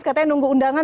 katanya nunggu undangan